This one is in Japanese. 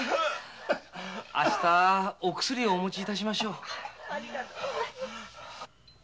明日お薬をお持ちしましょう。